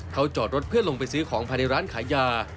เขาจอดรถเพื่อลงไปซื้อของภายในร้านขายยา